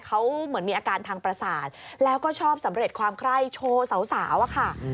เขาเหมือนมีอาการทางประสาทแล้วก็ชอบสำเร็จความไคร้โชว์สาวอะค่ะ